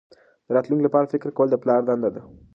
د راتلونکي لپاره فکر کول د پلار دنده ده.